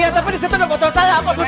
iya tapi disitu ada foto saya apus ceng